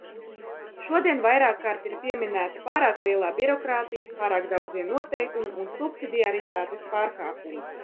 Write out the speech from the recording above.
Šodien vairākkārt ir pieminēta pārāk lielā birokrātija, pārāk daudzie noteikumi un subsidiaritātes pārkāpumi.